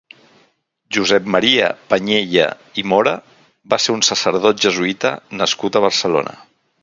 Josep Maria Pañella i Mora va ser un sacerdot jesuïta nascut a Barcelona.